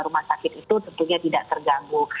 rumah sakit itu tentunya tidak terganggu